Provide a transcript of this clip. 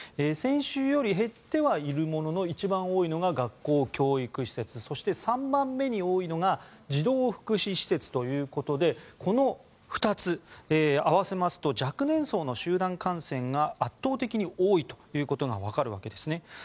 先週より減ってはいるものの一番多いのが学校・教育施設そして３番目に多いのが児童福祉施設ということでこの２つ合わせますと若年層の集団感染が圧倒的に多いということがわかるわけですね。